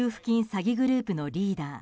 詐欺グループのリーダー